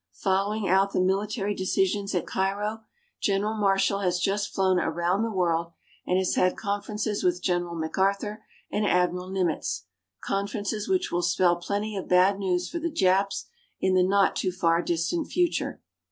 Following out the military decisions at Cairo, General Marshall has just flown around the world and has had conferences with General MacArthur and Admiral Nimitz conferences which will spell plenty of bad news for the Japs in the not too far distant future.